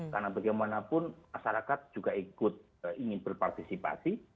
karena bagaimanapun masyarakat juga ingin berpartisipasi